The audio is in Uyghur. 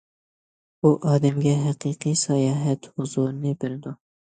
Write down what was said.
بۇ ئادەمگە ھەقىقىي ساياھەت ھۇزۇرىنى بېرىدۇ.